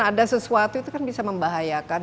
ada sesuatu itu kan bisa membahayakan